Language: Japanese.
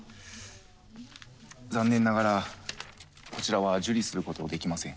残念ながらこちらは受理することできません。